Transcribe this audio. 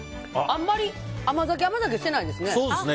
あんまり甘酒、甘酒してないんですね。